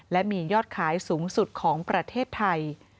และมียอดขายสูงสุดของประเทศไทย